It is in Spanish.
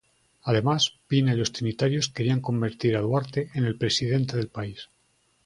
Además, Pina y los trinitarios querían convertir a Duarte en el presidente del país.